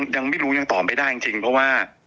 ยังไม่รู้ยังตอบไม่ได้จริงเพราะว่า